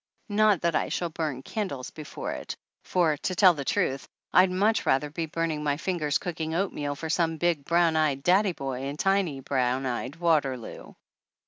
Not that I shall burn candles before it for, to tell the truth, I'd much rather be burning my fingers cooking oat meal for some big, brown eyed "Daddy boy" and tiny, brown eyed Waterloo!